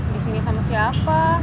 disini sama siapa